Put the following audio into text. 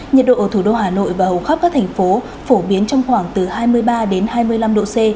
nhiệt độ ở thủ đô hà nội và hầu khắp các thành phố phổ biến trong khoảng từ hai mươi ba đến hai mươi năm độ c